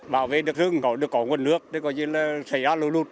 bảo vệ đất rừng có nguồn nước xảy ra lụt lụt